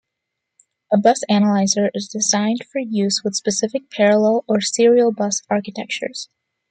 A bus analyzer is designed for use with specific parallel or serial bus architectures.